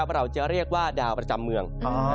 เราจะเรียกว่าดาวประจำเมือง